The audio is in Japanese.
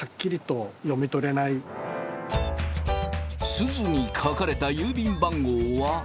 すずに書かれた郵便番号は。